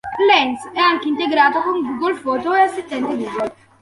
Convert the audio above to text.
Lens è anche integrato con Google Foto e Assistente Google.